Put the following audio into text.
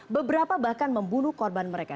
beberapa bahkan membunuh korban mereka